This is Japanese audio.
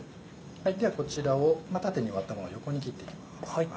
ではこちらを縦に割ったものを横に切っていきます。